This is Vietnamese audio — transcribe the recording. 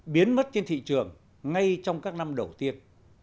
biến mất trên thị trường ngay trong các năm đầu tiên